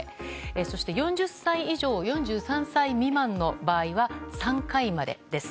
そして４０歳以上４３歳未満の場合は３回までです。